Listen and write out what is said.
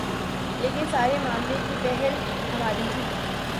لیکن سارے معاملے کی پہل ہماری تھی۔